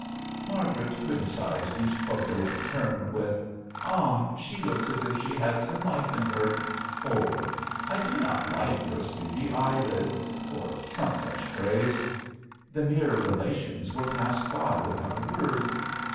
Margaret criticized each photo in turn with, " Ah ! she looks as if she had some life in her !" or, " I do not like your sleepy eye lids," or some such phrase. The mere relations were passed by without a word.